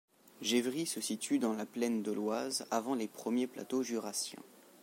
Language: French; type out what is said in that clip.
Gevry se situe dans la plaine doloise, avant les premiers plateaux jurassiens.